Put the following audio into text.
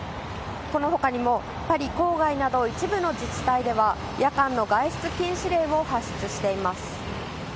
この他にもパリ郊外など一部の自治体では夜間の外出禁止令も発出しています。